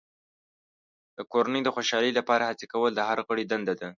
د کورنۍ د خوشحالۍ لپاره هڅې کول د هر غړي دنده ده.